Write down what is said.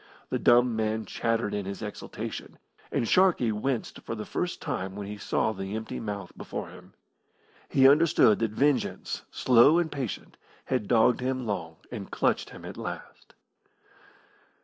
The dumb man chattered in his exultation, and Sharkey winced for the first time when he saw the empty mouth before him. He understood that vengeance, slow and patient, had dogged him long, and clutched him at last.